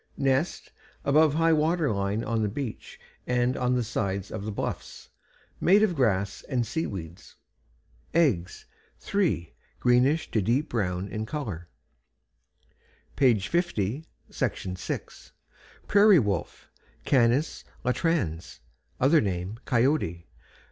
NEST Above high water line on the beach and on the sides of the bluffs; made of grass and sea weeds. EGGS Three, greenish to deep brown in color. Page 50. =PRAIRIE WOLF.= Canis latrans. Other name: "Coyote."